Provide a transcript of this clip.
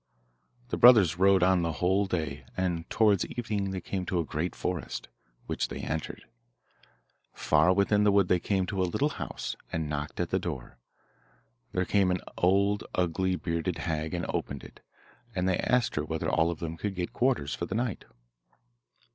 The brothers rode on the whole day, and towards evening they came to a great forest, which they entered. Far within the wood they came to a little house, and knocked at the door. There came an old, ugly, bearded hag, and opened it, and they asked her whether all of them could get quarters for the night.